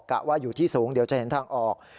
ว่าอยู่ที่สูงเดี๋ยวจะเห็นทางออก